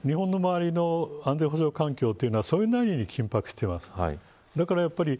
ただ日本の周りの安全保障環境というのはそれなりに緊迫しています。